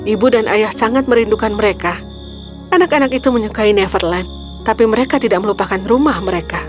ibu dan ayah sangat merindukan mereka anak anak itu menyukai neverland tapi mereka tidak melupakan rumah mereka